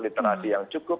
literasi yang cukup